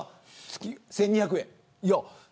月１２００円。